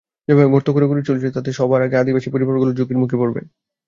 যেভাবে গর্ত খোঁড়াখুঁড়ি চলছে, তাতে সবার আগে আদিবাসী পরিবারগুলো ঝুঁকির মুখে পড়বে।